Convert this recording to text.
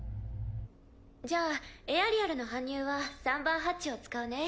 じゃあエアリアルの搬入は３番ハッチを使うね。